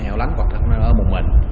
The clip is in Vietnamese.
họ lắng hoặc không nên ở một mình